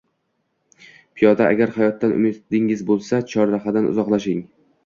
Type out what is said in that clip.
Piyoda, agar hayotdan umidingiz bo'lsa, chorrahadan uzoqlashing